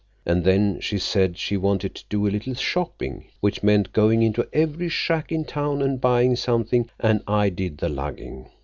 And then she said she wanted to do a little shopping, which meant going into every shack in town and buyin' something, an' I did the lugging.